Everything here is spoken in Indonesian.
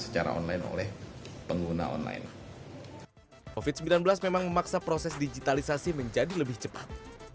covid sembilan belas memang memaksa proses digitalisasi menjadi lebih cepat